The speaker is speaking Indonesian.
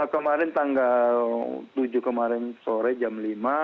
kemarin tanggal tujuh kemarin sore jam lima